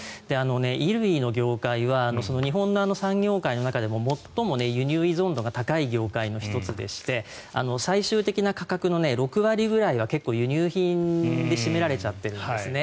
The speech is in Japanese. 衣類の業界は日本の産業界の中でももっとも輸入依存度が高い業界でもありまして最終的な価格の６割ぐらいは輸入品で占められちゃってるんですね。